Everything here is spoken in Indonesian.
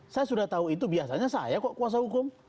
saya sudah tahu itu biasanya saya kok kuasa hukum